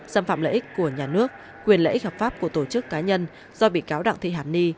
xâm phạm lợi ích của nhà nước quyền lợi ích hợp pháp của tổ chức cá nhân do bị cáo đặng thị hàn ni